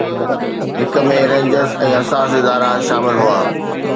هڪ ۾ رينجرز ۽ حساس ادارا شامل هئا